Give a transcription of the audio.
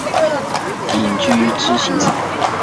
隐居支硎山。